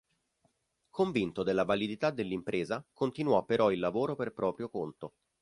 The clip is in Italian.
Convinto della validità dell'impresa, continuò però il lavoro per proprio conto.